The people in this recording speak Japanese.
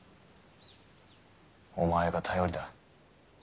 お前が頼りだ。